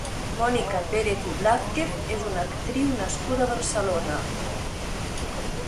Mònica Pérez i Blázquez és una actriu nascuda a Barcelona.